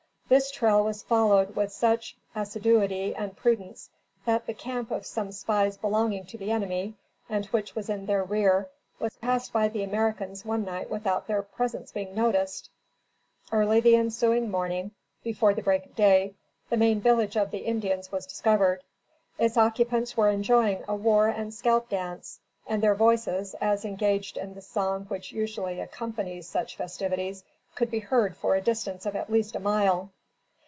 This trail was followed with such assiduity and prudence that the camp of some spies belonging to the enemy, and which was in their rear, was passed by the Americans one night without their presence being noticed. Early the ensuing morning (before the break of day), the main village of the Indians was discovered. Its occupants were enjoying a war and scalp dance, and their voices, as engaged in the song which usually accompanies such festivities, could be heard for a distance of at least a mile.